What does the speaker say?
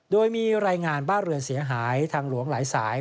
โดยมีรายงานบ้านเรือนเสียหายทางหลวงหลายสาย